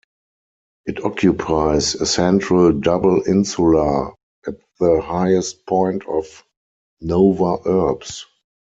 It occupies a central double insula at the highest point of "nova urbs".